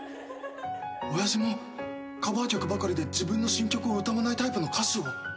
親父もカバー曲ばかりで自分の新曲を歌わないタイプの歌手を？